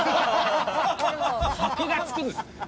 箔が付くんです。